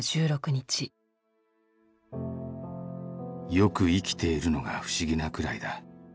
「よく生きているのが不思議なくらいだ」